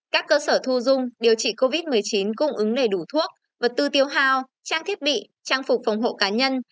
các cơ sở thu dung điều trị covid một mươi chín cung ứng đầy đủ thuốc vật tư tiêu hào trang thiết bị trang phục phòng hộ cá nhân